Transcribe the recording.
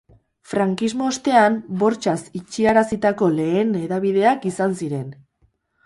Frankismo ostean bortxaz itxiarazitako lehen hedabideak izan ziren.